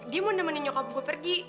dia mau nemenin nyokap gue pergi